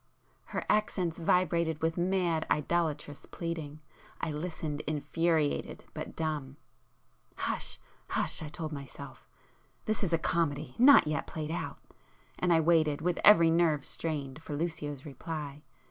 Her accents vibrated with mad idolatrous pleading,—I listened infuriated, but dumb. "Hush,—hush!" I told myself "This is a comedy—not yet played out!" And I waited, with every nerve strained, for Lucio's reply.